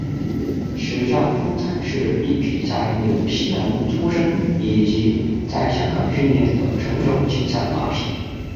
时尚风采是一匹在纽西兰出生以及在香港训练的纯种竞赛马匹。